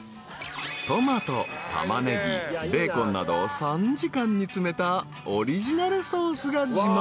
［トマトタマネギベーコンなどを３時間煮詰めたオリジナルソースが自慢］